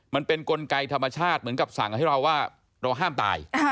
มันเป็นกลไกธรรมชาติเหมือนกับสั่งให้เราว่าเราห้ามตาย